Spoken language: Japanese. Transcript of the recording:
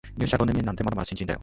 入社五年目なんてまだまだ新人だよ